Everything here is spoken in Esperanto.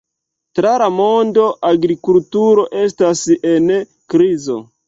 Tra la mondo, agrikulturo estas en krizo.